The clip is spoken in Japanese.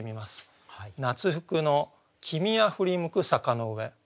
「夏服の君や振り向く坂の上」。